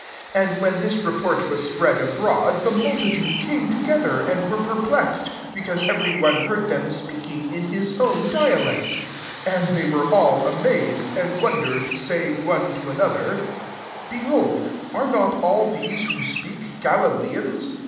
6 And when this report was spread abroad, the multitude came together, and were perplexed, because every one heard them speaking in his own dialect 7 And they were fallj amdzed, and wondered, saying one to another, "Be hold, are not all these who speak Galileans